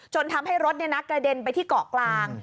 ทำให้รถกระเด็นไปที่เกาะกลาง